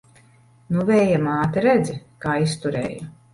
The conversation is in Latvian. Nu, Vēja māte, redzi, kā izturēju!